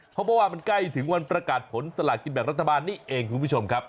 เพราะว่ามันใกล้ถึงวันประกาศผลสลากกินแบ่งรัฐบาลนี่เองคุณผู้ชมครับ